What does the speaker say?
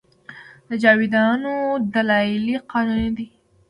د جایدادونو دلالي قانوني ده؟